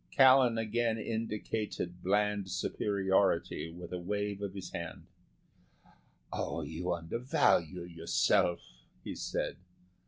Callan again indicated bland superiority with a wave of his hand. "You undervalue yourself," he said.